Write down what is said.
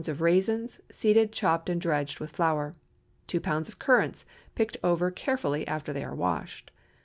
of raisins, seeded, chopped, and dredged with flour. 2 lbs. of currants, picked over carefully after they are washed.